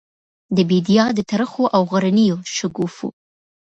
د بیدیا د ترخو او غرنیو شګوفو،